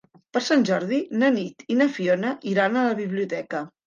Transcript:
Per Sant Jordi na Nit i na Fiona iran a la biblioteca.